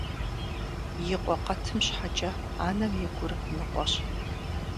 И къуэ къэтым щхьэкӀэ анэм и гур ныкъуэщ.